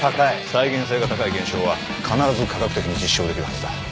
再現性が高い現象は必ず科学的に実証できるはずだ。